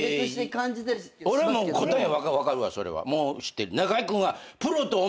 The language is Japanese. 俺はもう答え分かるわそれは。